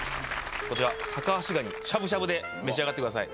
こちら、タカアシガニ、しゃぶしゃぶで召し上がってください。